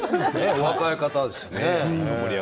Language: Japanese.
お若い方ですね。